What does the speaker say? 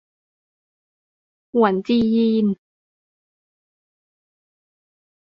หวนจียีน